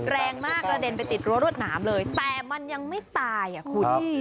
แรงมากกระเด็นไปติดรั้วรวดหนามเลยแต่มันยังไม่ตายอ่ะคุณ